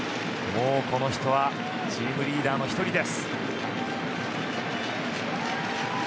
もう、この人はチームリーダーの１人です。